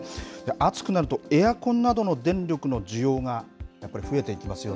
暑くなるとエアコンなどの電力の需要がやっぱり増えていきますよ